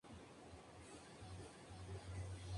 La moto tiene una gran parrilla de carga hasta atrás.